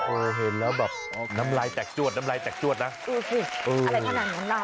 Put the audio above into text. โอ้ยเห็นแล้วแบบน้ำลายแตกจวดน้ำลายแตกจวดนะ